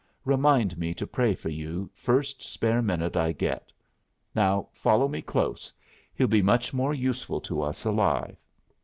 Remind me to pray for you first spare minute I get. Now follow me close. He'll be much more useful to us alive."